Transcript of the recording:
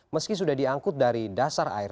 meski sudah diangkut dari dasar air